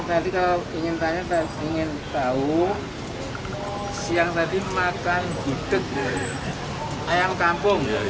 tapi kalau terlalu banyak kan nggak cukup